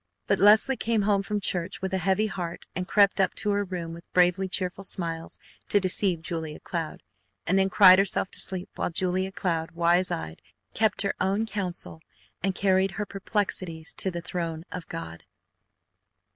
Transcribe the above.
But Leslie came home from the church with a heavy heart and crept up to her room with bravely cheerful smiles to deceive Julia Cloud; and then cried herself to sleep; while Julia Cloud, wise eyed, kept her own counsel and carried her perplexities to the throne of God.